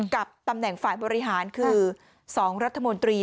กับตำแหน่งฝ่ายบริหารคือ๒รัฐมนตรี